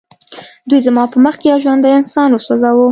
دوی زما په مخ کې یو ژوندی انسان وسوځاوه